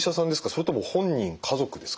それとも本人・家族ですか？